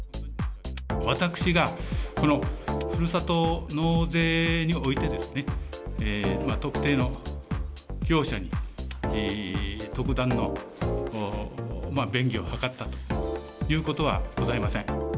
私が、このふるさと納税においてですね、特定の業者に特段の便宜を図ったということはございません。